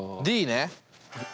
Ｄね。